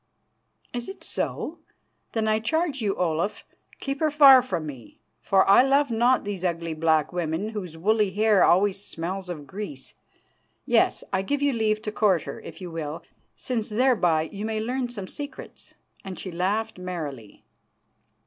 "Is it so? Then I charge you, Olaf, keep her far from me, for I love not these ugly black women, whose woolly hair always smells of grease. Yes, I give you leave to court her, if you will, since thereby you may learn some secrets," and she laughed merrily.